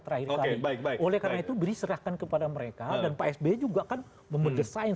terakhir baik baik oleh karena itu diserahkan kepada mereka dan psb juga akan mengesain